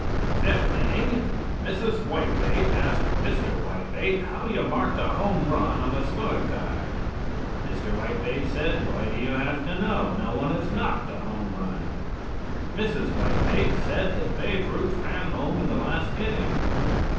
FIFTH INNING: Mrs. Whitebait asked Mr. Whitebait how you marked a home run on the score card. Mr. Whitebait said: "Why do you have to know? No one has knocked a home run." Mrs. Whitebait said that Babe Ruth ran home in the last inning.